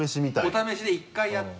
お試しで１回やって。